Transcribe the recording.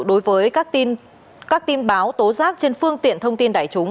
đối với các tin báo tố giác trên phương tiện thông tin đại chúng